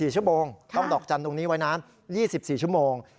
๔ชั่วโมงต้องดอกจันทร์ตรงนี้ไว้นาน๒๔ชั่วโมง